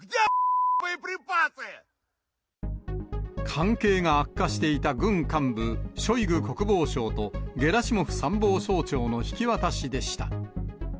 関係が悪化していた軍幹部、ショイグ国防相と、ゲラシモフ参謀総長の引き渡しでした。